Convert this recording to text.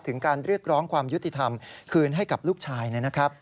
ถึงการเรียกร้องความยุติธรรมคืนให้กับลูกชายนะครับ